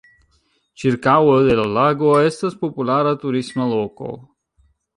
Ĉirkaŭo de la lago estas populara turisma loko.